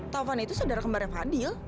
taufan itu saudara kembarannya fadil